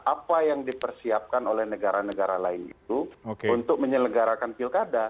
apa yang dipersiapkan oleh negara negara lain itu untuk menyelenggarakan pilkada